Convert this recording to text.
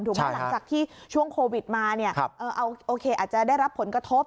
ถูกว่าหลังจากที่ช่วงโควิดมาอาจจะได้รับผลกระทบ